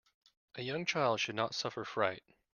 A young child should not suffer fright.